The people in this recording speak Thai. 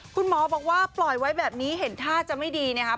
คุณหมอบอกว่าปล่อยไว้แบบนี้เห็นท่าจะไม่ดีนะครับ